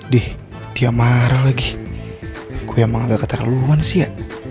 deh dia marah lagi gue emang gak keterluan sih ya